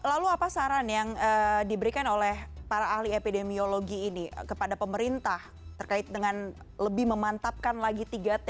lalu apa saran yang diberikan oleh para ahli epidemiologi ini kepada pemerintah terkait dengan lebih memantapkan lagi tiga t